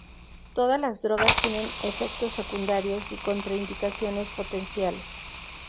Todas las drogas tienen efectos secundarios y contraindicaciones potenciales.